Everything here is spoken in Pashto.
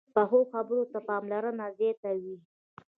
پخو خبرو ته پاملرنه زیاته وي